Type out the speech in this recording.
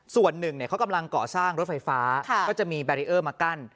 ส่วนหนึ่งเขากำลังเกาะสร้างรถไฟฟ้าก็จะมีมากั้น